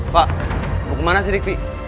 pak mau ke mana sih rivki